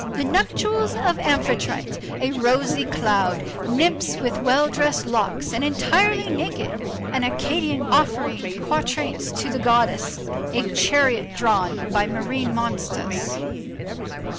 The nuptials of Amphitrite, a rosy cloud, nymphs with well dressed locks and entirely naked, an Academician offering quatrains to the goddess, a chariot drawn by marine monsters.